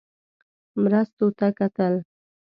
مرستو ته کتل.